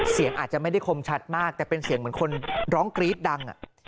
เสียงอาจจะไม่ได้คมชัดมากแต่เป็นเสียงเหมือนคนร้องกรี๊ดดัง